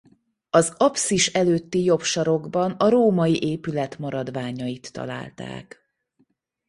Az apszis előtti jobb sarokban a római épület maradványait találták.